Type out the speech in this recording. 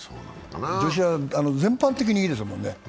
女子は全般的にいいですもんね。